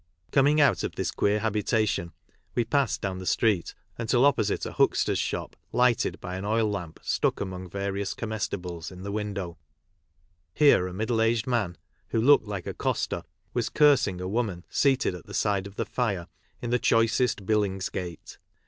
Coming out < f this queer habitation we passed down the street until opposite a huxter's shop lighted by an oil lamp stuck among various comes tibles in the window. Here a middle aged man, who looked like a "coster," was cursing a woman, seated at the side of the fire, in the choicest Billings gate.